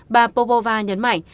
bà popova nhấn mạnh